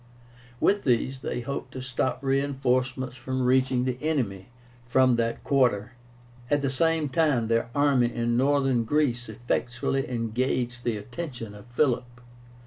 With these they hoped to stop reinforcements from reaching the enemy from that quarter. At the same time their army in Northern Greece effectually engaged the attention of Philip.